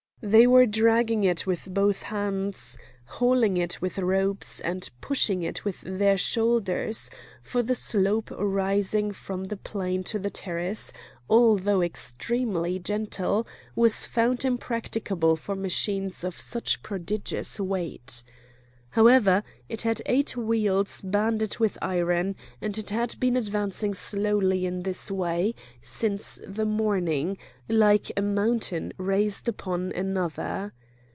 They were dragging it with both hands, hauling it with ropes, and pushing it with their shoulders,—for the slope rising from the plain to the terrace, although extremely gentle, was found impracticable for machines of such prodigious weight. However, it had eight wheels banded with iron, and it had been advancing slowly in this way since the morning, like a mountain raised upon another.